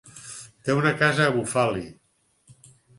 Té una casa a Bufali.